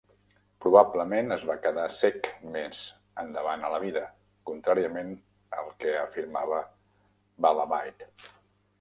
Probablement es va quedar cec més endavant a la vida, contràriament al que afirmava Vallabhite.